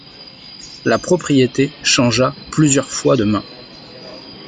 La propriété changea plusieurs fois de mains.